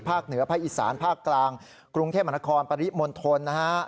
ภาคเหนือภายอิสรรค์ภาคกลางกรุงเทพมรคมปริมนต์ธนตร์